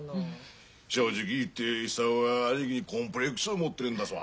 正直言って久男は兄貴にコンプレックスを持ってるんですわ。